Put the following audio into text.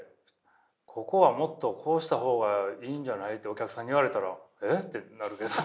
「ここはもっとこうした方がいいんじゃない？」ってお客さんに言われたら「えっ？」ってなるけど。